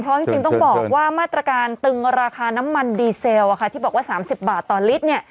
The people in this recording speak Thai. เพราะจริงต้องบอกว่ามาตรการตึงราคาน้ำมันดีเซลที่บอกว่า๓๐บาทต่อลิตรเนี่ย